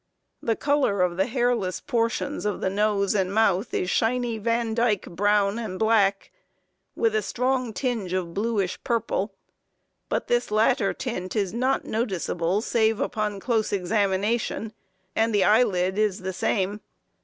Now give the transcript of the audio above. The color of the hairless portions of the nose and mouth is shiny Vandyke brown and black, with a strong tinge of bluish purple, but this latter tint is not noticeable save upon close examination, and the eyelid is the same.